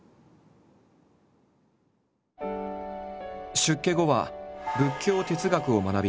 出家後は仏教哲学を学び